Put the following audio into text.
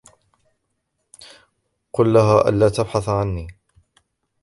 قل لها ألا تبحث عني.